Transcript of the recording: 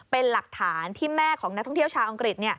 เป็นหลักฐานที่แม่ของนักท่องเที่ยวชาวอังกฤษ